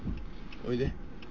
おいで。